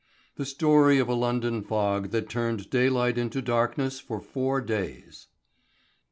The Story of a London Fog that turned Daylight into Darkness for Four Days.